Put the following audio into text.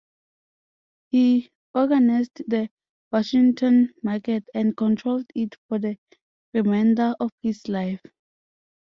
He organized the Washington Market and controlled it for the remainder of his life.